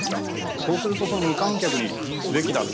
そうすると無観客にすべきだと。